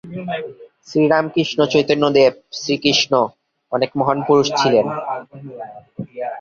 গুরু রামকৃষ্ণ পরমহংসের মৃত্যুর পর বিবেকানন্দ হিন্দু দেবী কালীর সম্পর্কে বিশেষ আগ্রহী হন।